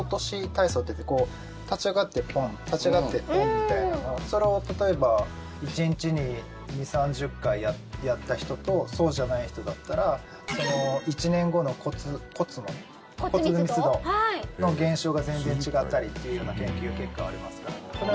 体操っていってこう、立ち上がって、ポン立ち上がって、ポンみたいなのをそれを例えば１日に２０３０回やった人とそうじゃない人だったら１年後の骨の骨密度の減少が全然違ったりっていうような研究結果はありますから。